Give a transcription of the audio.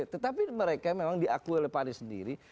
tetapi mereka memang diakui oleh pak anies sendiri